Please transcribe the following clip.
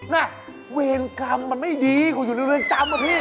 น่ะเวรกรรมมันไม่ดีกว่าอยู่ในเรือนจำอะพี่